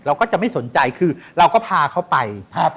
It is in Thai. เราก็จะไม่สนใจคือเราก็พาเขาไป